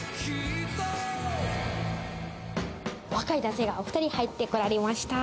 若い男性がお２人入ってこられました。